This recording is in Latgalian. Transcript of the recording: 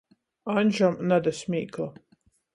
Aņžam na da smīkla.